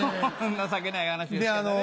情けない話ですけどね。